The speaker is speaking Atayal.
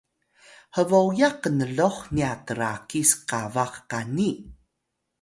hboyax knluh nya trakis qabax qani